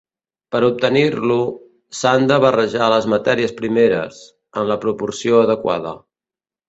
Per obtenir-lo, s'han de barrejar les matèries primeres, en la proporció adequada.